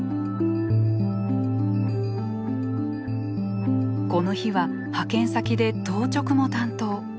この日は派遣先で当直も担当。